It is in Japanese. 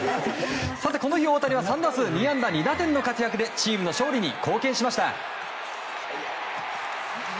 この日、大谷は３打数２安打２打点の活躍でチームの勝利に貢献しました。